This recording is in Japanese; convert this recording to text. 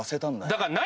だから何？